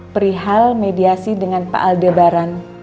perihal mediasi dengan pak aldebaran